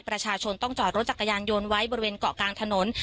ประชาชนต้องจอดรถจักรยานยนต์ไว้บริเวณเกาะกลางถนน